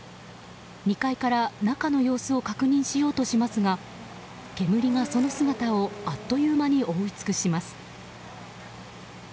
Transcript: ２階から中の様子を確認しようとしますが煙がその姿をあっという間に覆い尽くします。